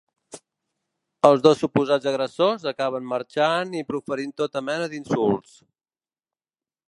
Els dos suposats agressors acaben marxant i proferint tota mena d’insults.